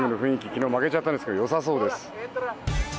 昨日、負けちゃったんですけど良さそうです。